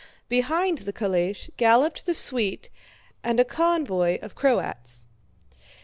Behind the calèche galloped the suite and a convoy of Croats.